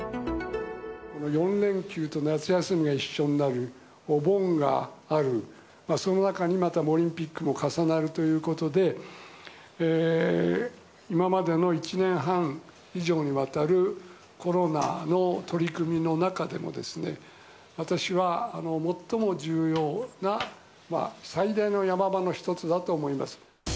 ４連休と夏休みが一緒になる、お盆がある、その中にまたオリンピックも重なるということで、今までの１年半以上にわたるコロナの取り組みの中でもですね、私は最も重要な最大のヤマ場の一つだと思います。